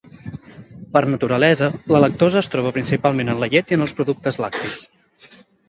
Per naturalesa, la lactosa es troba principalment en la llet i en els productes lactis.